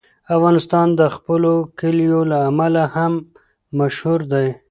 افغانستان د خپلو کلیو له امله هم مشهور دی.